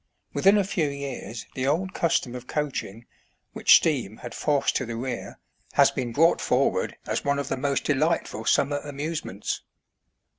Within a few years the old custom of coaching, which steam had forced to the rear, has been brought forward as one of the most delightful summer amuse ments.